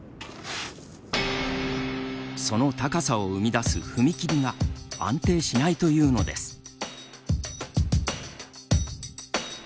その高さを生み出す踏み切りが安定しないというのです。